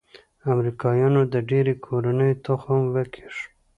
امریکايانو د ډېرو کورنيو تخم وکيښ.